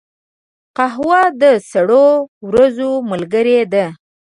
قهوه د سړو ورځو ملګرې ده